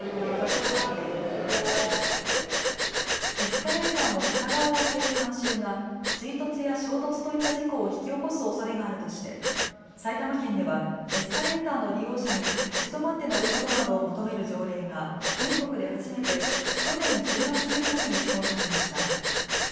エスカレーターの片側をあける慣習が追突や衝突といった事故を引き起こすおそれがあるとして埼玉県ではエスカレーターの利用者に立ち止まって乗ることなどを求める条例が全国で初めて去年１０月１日に施行されました。